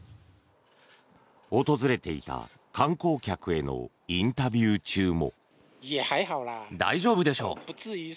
訪れていた観光客へのインタビュー中も。